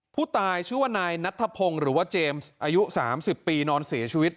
ผู้ตายชื่อว่านายนัทธพงศ์หรือว่าเจมส์อายุ๓๐ปีนอนเสียชีวิต